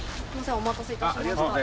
お待たせいたしました。